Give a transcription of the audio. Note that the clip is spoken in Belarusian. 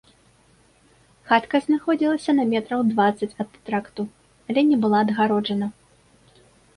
Хатка знаходзілася на метраў дваццаць ад тракту, але не была адгароджана.